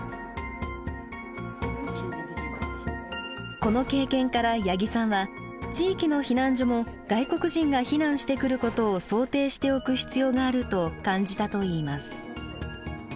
この経験から八木さんは地域の避難所も外国人が避難してくることを想定しておく必要があると感じたといいます。